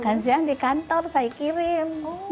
makan siang di kantor saya kirim